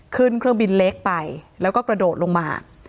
เครื่องบินเล็กไปแล้วก็กระโดดลงมา